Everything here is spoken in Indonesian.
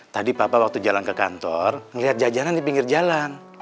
tadi papa waktu jalan ke kantor melihat jajanan di pinggir jalan